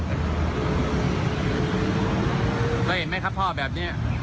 แล้วเห็นไหมครับพ่อแบบนี้